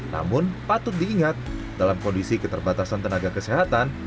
namun patut diingat dalam kondisi keterbatasan tenaga kesehatan